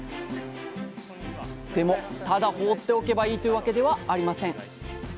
でもただ放っておけばいいというわけではありません。